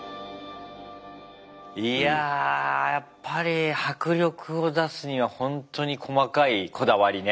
いやあやっぱり迫力を出すにはほんとに細かいこだわりね。